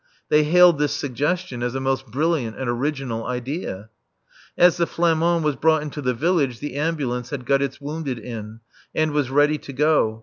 They hailed this suggestion as a most brilliant and original idea. As the Flamand was brought into the village, the Ambulance had got its wounded in, and was ready to go.